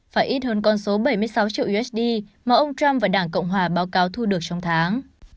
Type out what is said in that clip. phải ít hơn con số bảy mươi sáu triệu usd mà ông trump và đảng cộng hòa báo cáo thu được trong tháng